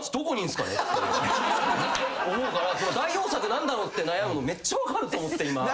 代表作何だろうって悩むのめっちゃ分かると思って今。